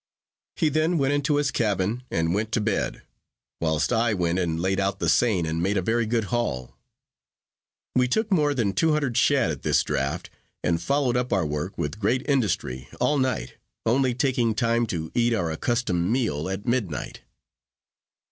He then went into his cabin, and went to bed; whilst I went and laid out the seine, and made a very good haul. We took more than two hundred shad at this draught; and followed up our work with great industry all night, only taking time to eat our accustomed meal at midnight.